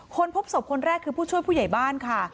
พบศพคนแรกคือผู้ช่วยผู้ใหญ่บ้านค่ะ